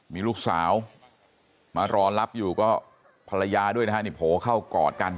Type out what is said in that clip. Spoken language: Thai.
มีลูกสาวมารอรับอยู่ก็ภรรยาด้วยนะฮะนี่โผล่เข้ากอดกัน